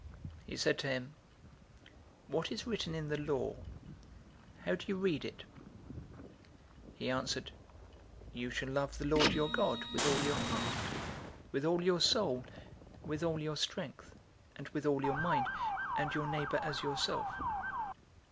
010:026 He said to him, "What is written in the law? How do you read it?" 010:027 He answered, "You shall love the Lord your God with all your heart, with all your soul, with all your strength, and with all your mind;{Deuteronomy 6:5} and your neighbor as yourself."